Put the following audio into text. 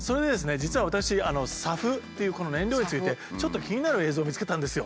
実は私ＳＡＦというこの燃料についてちょっと気になる映像を見つけたんですよ。